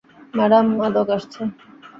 Madam, মাদক আসছে।